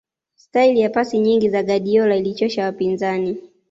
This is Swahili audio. staili ya pasi nyingi za guardiola ilichosha wapinzani